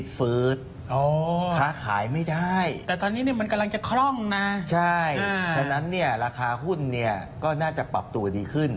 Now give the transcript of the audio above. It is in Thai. ใช่ฉะนั้นราคาหุ้นก็น่าจะปรับตัวดีขึ้น